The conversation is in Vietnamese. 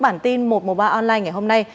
bản tin một trăm một mươi ba online ngày hôm nay